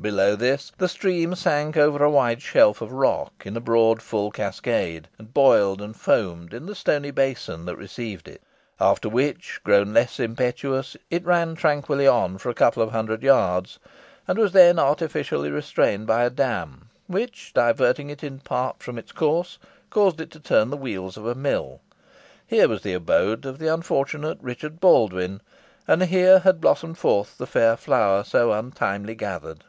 Below this the stream sank over a wide shelf of rock, in a broad full cascade, and boiled and foamed in the stony basin that received it, after which, grown less impetuous, it ran tranquilly on for a couple of hundred yards, and was then artificially restrained by a dam, which, diverting it in part from its course, caused it to turn the wheels of a mill. Here was the abode of the unfortunate Richard Baldwyn, and here had blossomed forth the fair flower so untimely gathered.